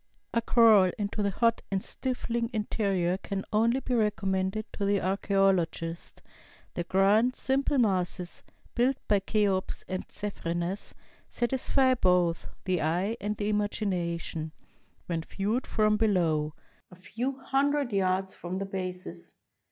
A crawl into the hot and stifling interior can only be recommended to the archaeologist. The grand, simple masses, built by Cheops and Cephrenes, satisfy both the e3^e and the imagination when viewed from below, a few hundred yards from their bases.